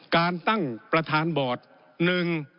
การตั้งประธานบอร์ดหนึ่ง